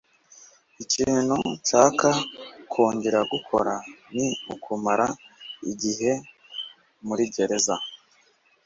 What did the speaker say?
Ikintu ntashaka kongera gukora ni ukumara igihe muri gereza.